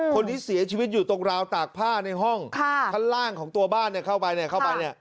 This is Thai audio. คนที่เสียชีวิตอยู่ตรงราวตากผ้าในห้องข้างล่างของตัวบ้านเนี่ยเข้าไปเนี่ยเข้าไปเนี่ย